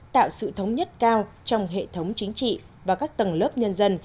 tạo sự thống nhất cao trong hệ thống chính trị và các tầng lớp nhân dân